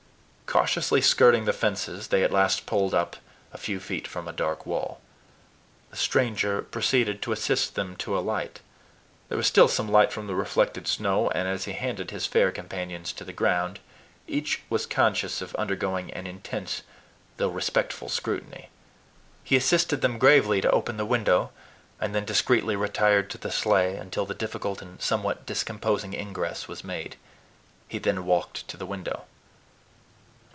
Cautiously skirting the fences, they at last pulled up a few feet from a dark wall. The stranger proceeded to assist them to alight. There was still some light from the reflected snow; and as he handed his fair companions to the ground, each was conscious of undergoing an intense though respectful scrutiny. He assisted them gravely to open the window, and then discreetly retired to the sleigh until the difficult and somewhat discomposing ingress was made. He then walked to the window.